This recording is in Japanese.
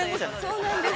◆そうなんです。